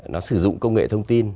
nó sử dụng công nghệ thông tin